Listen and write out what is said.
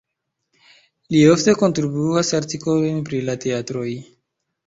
Li ofte kontribuas artikolojn pri la teatroj.